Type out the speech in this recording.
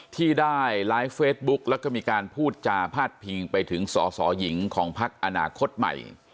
ที่ได้ไลฟ์เฟซบุ๊กแล้วก็มีการพูดจาพาดพิงไปถึงสสหญิงของพักอนาคตใหม่